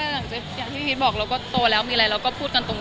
แล้วก็โตแล้วมีอะไรเราก็พูดกันตรง